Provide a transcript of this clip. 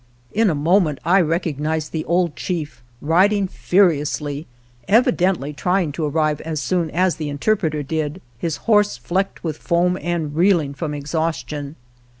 In a moment I recognized the old chief riding furiously (evidently trying to arrive as soon as the interpreter did), his horse flecked with foam and reeling from exhaustion.